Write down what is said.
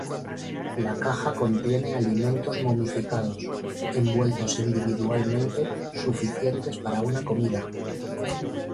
La caja contiene alimentos momificados, envueltos individualmente, suficientes para una comida.